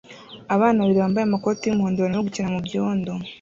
Abana babiri bambaye amakoti yumuhondo barimo gukina mubyondo